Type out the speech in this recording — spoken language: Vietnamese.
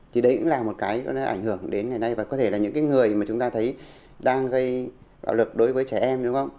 thì đấy cũng là một cái ảnh hưởng đến ngày nay và có thể là những cái người mà chúng ta thấy đang gây bạo lực đối với trẻ em đúng không